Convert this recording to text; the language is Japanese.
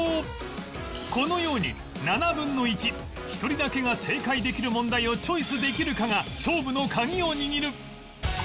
このように７分の１１人だけが正解できる問題をチョイスできるかが勝負のカギを握る